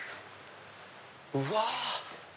うわ！